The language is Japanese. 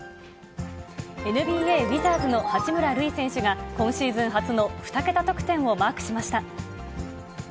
ＮＢＡ・ウィザーズの八村塁選手が、今シーズン初の２桁得点をマークしました。